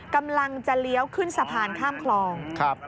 กำลังจะเลี้ยวขึ้นสะพานข้ามคลอง